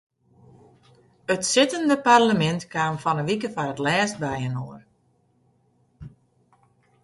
It sittende parlemint kaam fan ’e wike foar it lêst byinoar.